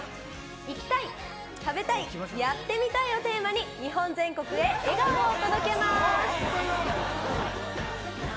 行きたい、食べたい、やってみたい！をテーマに、日本全国へ笑顔を届けます。